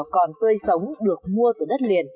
toàn tươi sống được mua từ đất liền